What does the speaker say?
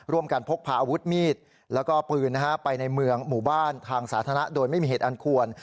พกพาอาวุธมีดแล้วก็ปืนไปในเมืองหมู่บ้านทางสาธารณะโดยไม่มีเหตุอันควร